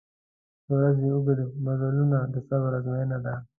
• د ورځې اوږده مزلونه د صبر آزموینه ده.